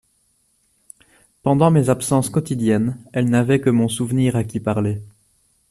Pendant mes absences quotidiennes, elle n'avait que mon souvenir à qui parler.